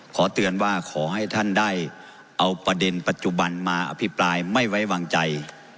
ขอเตือนว่าขอให้ท่านได้เอาประเด็นปัจจุบันมาอภิปรายไม่ไว้วางใจ